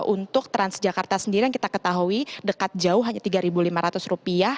untuk transjakarta sendiri yang kita ketahui dekat jauh hanya rp tiga lima ratus